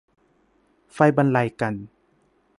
ไฟบรรลัยกัลป์